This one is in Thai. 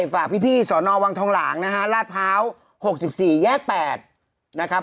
ฝากพี่นี่สอนอวังทองหลางนะคะราดเผ้า๖๔แยกแปดนะครับผม